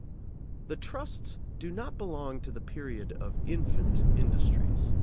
The trusts do not belong to the period of infant industries.